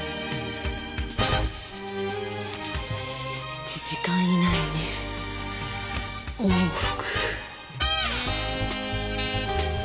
１時間以内に往復。